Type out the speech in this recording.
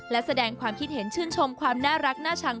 และแสดงความคิดเห็นชื่นชมความน่ารักน่าชัง